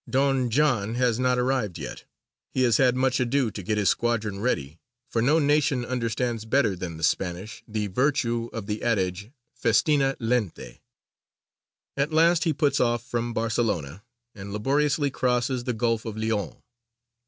Don John has not yet arrived. He has had much ado to get his squadron ready, for no nation understands better than the Spanish the virtue of the adage festina lente. At last he puts off from Barcelona, and laboriously crosses the Gulf of Lyons.